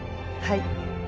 はい。